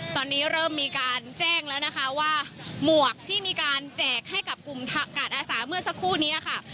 ตอนนี้เริ่มมีการแจ้งแล้วนะคะว่าหมวกที่มีการแจกให้กับกลุ่มกาดอาสาเมื่อสักครู่นี้ค่ะ